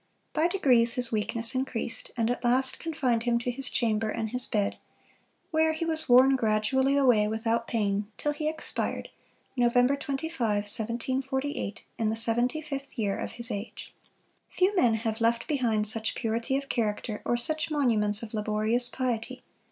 By degrees his weakness increased, and at last confined him to his chamber and his bed; where he was worn gradually away without pain, till he expired, Nov. 25, 1748, in the seventy fifth year of his age. Few men have left behind such purity of character, or such monuments of laborious piety.